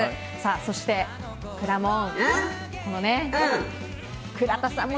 そして、くらもん。